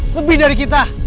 lebih dari kita